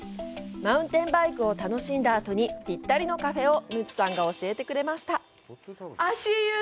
マウンテンバイクを楽しんだあとにぴったりのカフェをムツさんが教えてくれました。